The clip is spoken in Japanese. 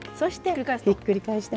ひっくり返すと。